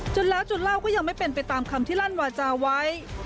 จนแล้วจุดเล่าก็ยังไม่เป็นไปตามคำที่ลั่นวาจาไว้